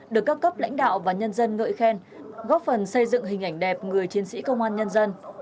được các cấp lãnh đạo và nhân dân ngợi khen góp phần xây dựng hình ảnh đẹp người chiến sĩ công an nhân dân